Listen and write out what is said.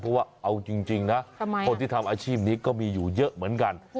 เพราะว่าเอาจริงนะคนที่ทำอาชีพนี้ก็มีอยู่เยอะเหมือนกัน